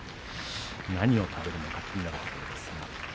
何を食べるのか気になるところです。